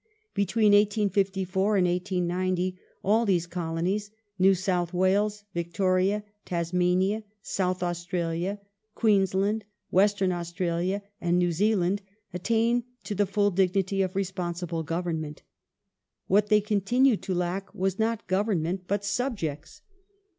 Between 1854 and 1890 all these Colonies — New South Wales, Victoria, Tasmania, South Australia, Queensland, Western Australia, and New Zea land— attained to the full dignity of responsible government. What they continued to lack was not government but subjects.